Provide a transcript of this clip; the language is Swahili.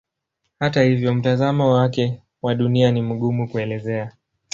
Hata hivyo mtazamo wake wa Dunia ni mgumu kuelezea.